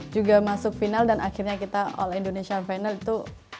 juga masuk final dan akhirnya kita all indonesian final itu